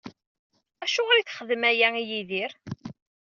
Acuɣer i texdem aya i Yidir?